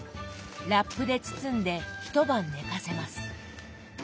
ラップで包んで一晩寝かせます。